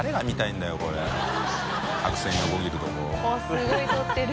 すごい撮ってる。